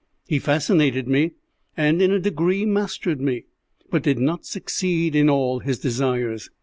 He fascinated me, and in a degree mastered me, but did not succeed in all his desires.